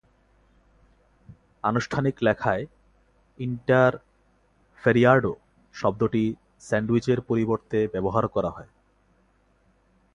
আনুষ্ঠানিক লেখায় "ইন্টারফেরিয়াডো" শব্দটি স্যান্ডউইচের পরিবর্তে ব্যবহার করা হয়।